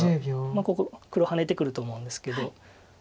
ここ黒ハネてくると思うんですけど。